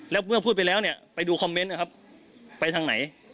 แล้วเมื่อพูดไปแล้วเนี่ยไปดูคอมเมนต์นะครับไปทางไหน